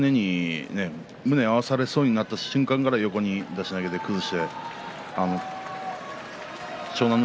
胸を合わされそうになった瞬間から横に出し投げで崩して湘南乃